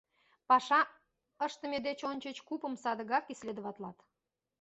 Паша ыштыме деч ончыч купым садыгак исследоватлат.